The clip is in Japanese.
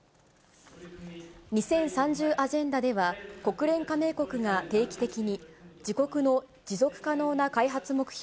２０３０アジェンダでは、国連加盟国が定期的に、自国の持続可能な開発目標